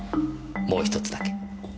もう１つだけ。